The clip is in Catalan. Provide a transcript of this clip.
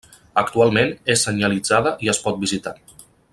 Actualment, és senyalitzada i es pot visitar.